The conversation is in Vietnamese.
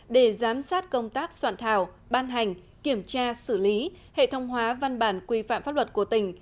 để giám sát công tác soạn thảo ban hành kiểm tra xử lý hệ thông hóa văn bản quy phạm pháp luật của tỉnh